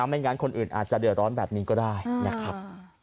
ไม่งั้นคนอื่นอาจจะเดือดร้อนแบบนี้ก็ได้นะครับ